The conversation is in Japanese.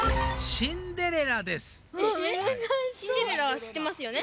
シンデレラはしってますよね？